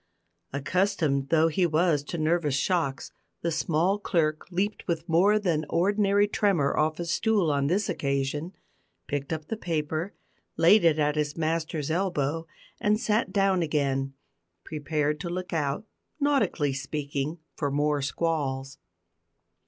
Accustomed though he was to nervous shocks, the small clerk leaped with more than ordinary tremor off his stool on this occasion, picked up the paper, laid it at his master's elbow, and sat down again, prepared to look out nautically speaking for more squalls.